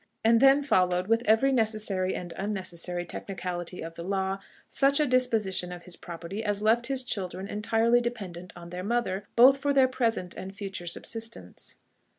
And then followed, with every necessary and unnecessary technicality of the law, such a disposition of his property as left his children entirely dependent on their mother both for their present and future subsistence.